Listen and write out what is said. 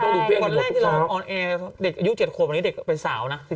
วันแรกที่เราออนแอร์อยู่๗โคมวันนี้เป็นสาวนะ๑๔แต่